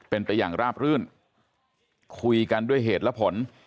เป็นไปอย่างราบรื่นคุยกันด้วยเหตุและผล